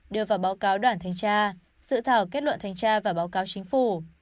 đưa vào báo cáo đoàn thanh tra sự thảo kết luận thanh tra và báo cáo chính phủ